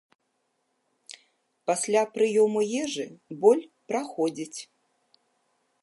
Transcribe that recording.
Пасля прыёму ежы боль праходзіць.